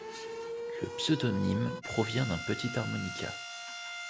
Le pseudonyme provient d'un petit harmonica.